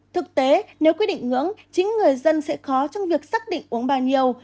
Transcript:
thực tế nếu quy định ngưỡng chính người dân sẽ khó trong việc xác định uống bao nhiêu